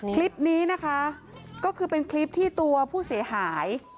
คลิปนี้นะคะก็คือเป็นคลิปที่ตัวผู้เสียหาย